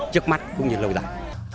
trước mắt cũng như lâu dài